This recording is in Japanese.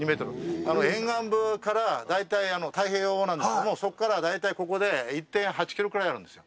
沿岸部から、太平洋なんですけども、そこから大体ここで１．８キロくらいあるんですよ。